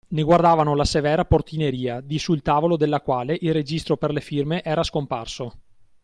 Ne guardavano la severa portineria, di sul tavolo della quale il registro per le firme era scomparso.